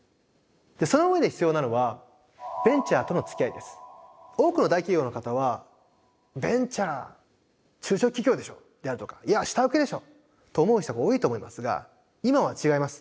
その上で必要なのは多くの大企業の方はベンチャー中小企業でしょであるとかいや下請けでしょと思う人が多いと思いますが今は違います。